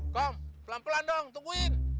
kang pelan pelan dong tungguin